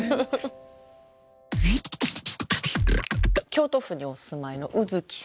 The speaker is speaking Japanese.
京都府にお住まいの卯月さん。